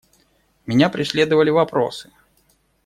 Меня преследовали вопросы.